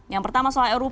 yang pertama soal ruhp